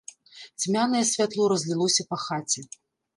Цьмянае святло разлілося па хаце.